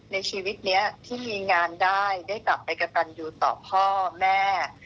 ในชีวิตนี้ที่มีงานได้ได้กลับไปกระตันอยู่ต่อพ่อแม่